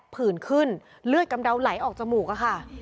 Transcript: ผื่นขึ้นเลือดกำเดาไหลออกจมูกอะค่ะ